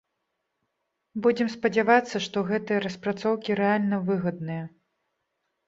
Будзем спадзявацца, што гэтыя распрацоўкі рэальна выгадныя.